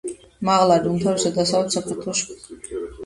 მაღლარი უმთავრესად დასავლეთ საქართველოში გვხვდება.